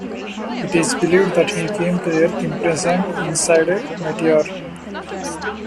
It is believed that he came to the Earth imprisoned inside a meteor.